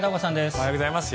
おはようございます。